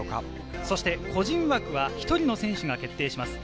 個人枠は１人の選手が決定します。